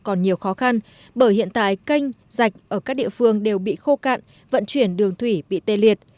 còn nhiều khó khăn bởi hiện tại canh rạch ở các địa phương đều bị khô cạn vận chuyển đường thủy bị tê liệt